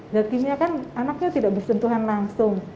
zat kimia kan anaknya tidak bersentuhan langsung